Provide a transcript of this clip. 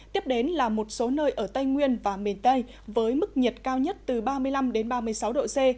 tiếp đến là một số nơi ở tây nguyên và miền tây với mức nhiệt cao nhất từ ba mươi năm ba mươi sáu độ c